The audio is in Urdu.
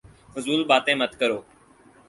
فضول باتیں مت کرو